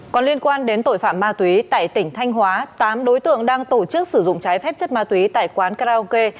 còn liên quan đến tội phạm ma túy tại tỉnh thanh hóa tám đối tượng đang tổ chức sử dụng trái phép chất ma túy tại quán karaoke